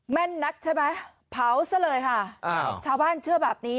แม่นนักใช่ไหมเผาซะเลยค่ะอ้าวชาวบ้านเชื่อแบบนี้